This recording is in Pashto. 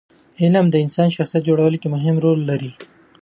علم د انسان د شخصیت په جوړولو کې مهم رول لري.